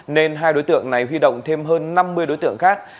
nên hai đối tượng này huy động thêm hơn năm mươi đối tượng khác